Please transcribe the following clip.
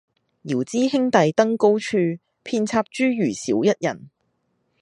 遙知兄弟登高處，遍插茱萸少一人。